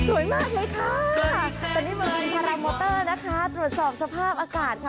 โอ้โหสวยมากไหมค่ะแต่นี่มันนะคะตรวจสอบสภาพอากาศค่ะ